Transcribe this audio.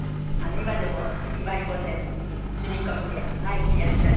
今でもひばり御殿に住み込みでいらっしゃる？